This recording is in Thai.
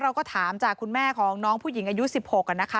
เราก็ถามจากคุณแม่ของน้องผู้หญิงอายุ๑๖นะคะ